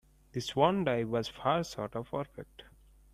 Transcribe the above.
The swan dive was far short of perfect.